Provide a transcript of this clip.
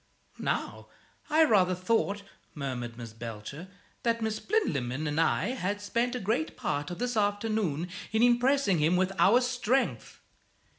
"Now, I rather thought," murmured Miss Belcher, "that Miss Plinlimmon and I had spent a great part of this afternoon in impressing him with our strength."